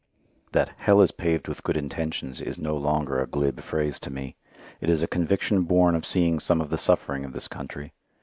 That "hell is paved with good intentions" is no longer a glib phrase to me; it is a conviction born of seeing some of the suffering of this country.